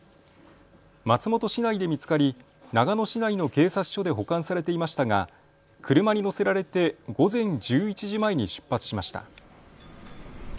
松本市内で見つかり長野市内の警察署で保管されていましたが、車に乗せられて午前１１時前に出発しました。